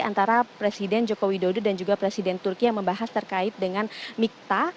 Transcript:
antara presiden joko widodo dan juga presiden turki yang membahas terkait dengan mikta